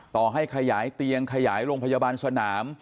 ต่อให้ขยายเตียงขยายโรงพยาบาลสนาม